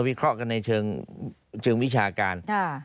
วิเคราะห์กันในเชิงวิชาการ